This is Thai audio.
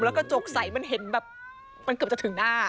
ลระดูสไฟมันเห็นแบบมันก็จะถึงหน้า